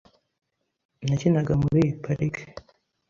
Nakinaga muri iyi parike .